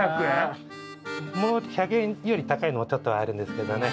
１００円より高いのもちょっとあるんですけどね。